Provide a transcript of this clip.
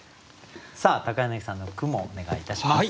柳さんの句もお願いいたします。